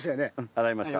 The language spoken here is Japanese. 洗いました。